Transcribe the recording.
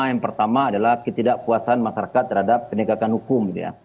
yang pertama adalah ketidakpuasan masyarakat terhadap penegakan hukum